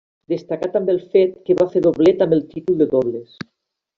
Destacar també el fet que va fer doblet amb el títol de dobles.